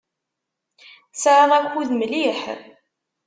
Tesɛiḍ akud mliḥ.